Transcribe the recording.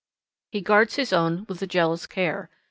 He guards his own with jealous care.